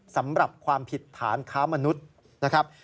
สำหรับความผิดฐานค้ามนุษย์นะครับ